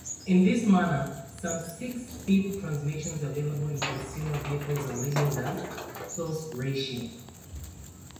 In this manner, some six-speed transmissions available in consumer vehicles are labelled as "close-ratio".